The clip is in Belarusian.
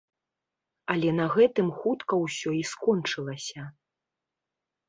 Але на гэтым хутка ўсё і скончылася.